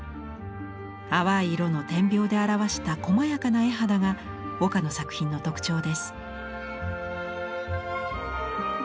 淡い色の点描で表したこまやかな絵肌が岡の作品の特徴です。